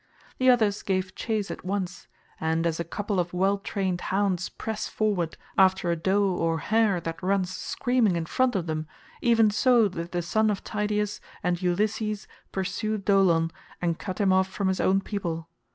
The others gave chase at once, and as a couple of well trained hounds press forward after a doe or hare that runs screaming in front of them, even so did the son of Tydeus and Ulysses pursue Dolon and cut him off from his own people.